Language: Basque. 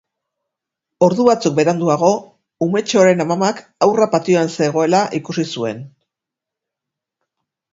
Ordu batzuk beranduago, umetxoaren amamak haurra patioan zegoela ikusi zuen.